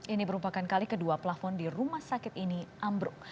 ini merupakan kali kedua pelafon di rumah sakit ini ambruk